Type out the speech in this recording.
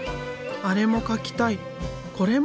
「これも描きたい」。